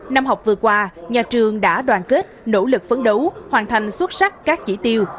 năm học vừa qua nhà trường đã đoàn kết nỗ lực phấn đấu hoàn thành xuất sắc các chỉ tiêu